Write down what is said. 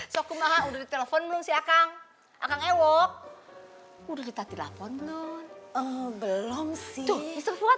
sop kumaha udah ditelepon belum si akang akang ewo udah dita telepon belum belum sih